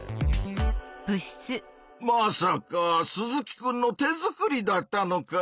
まさか鈴木くんの手作りだったのか。